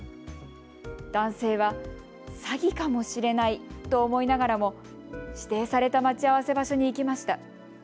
男性は詐欺かもしれないと思いながらも指定された待ち合わせ場所に行きました。